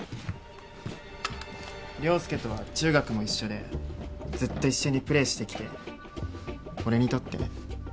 椋介とは中学も一緒でずっと一緒にプレーしてきて俺にとってヒーローだったから。